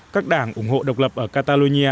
các đảng ủng hộ độc lập ở catalonia